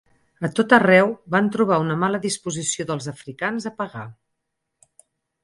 A tot arreu van trobar una mala disposició dels africans a pagar.